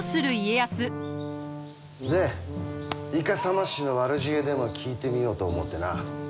でイカサマ師の悪知恵でも聞いてみようと思うてな。